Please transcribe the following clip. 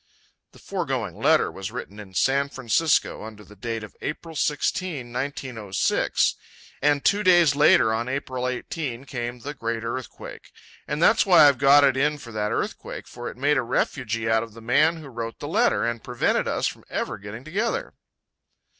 The foregoing letter was written in San Francisco under the date of April 16, 1906. And two days later, on April 18, came the Great Earthquake. And that's why I've got it in for that earthquake, for it made a refugee out of the man who wrote the letter, and prevented us from ever getting together.